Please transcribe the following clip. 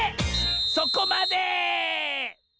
そこまで！